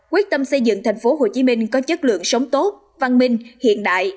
quyết tâm xây dựng thành phố hồ chí minh có chất lượng sống tốt văn minh hiện đại